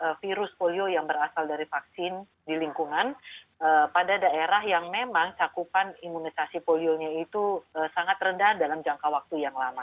jadi virus polio yang berasal dari vaksin di lingkungan pada daerah yang memang cakupan imunisasi polionya itu sangat rendah dalam jangka waktu yang lama